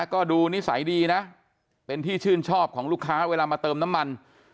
ก็ดูนิสัยดีนะเป็นที่ชื่นชอบของลูกค้าเวลามาเติมน้ำมัน